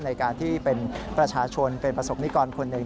ในการที่เป็นประชาชนเป็นประสบนิกรคนหนึ่ง